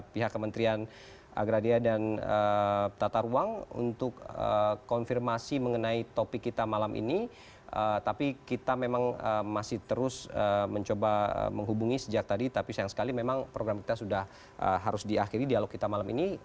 pihak kementerian agraria dan tata ruang untuk konfirmasi mengenai topik kita malam ini tapi kita memang masih terus mencoba menghubungi sejak tadi tapi sayang sekali memang program kita sudah harus diakhiri dialog kita malam ini